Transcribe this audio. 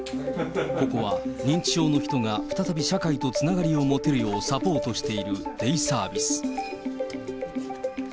ここは認知症の人が再び社会とつながりを持てるようサポートしているデイサービス。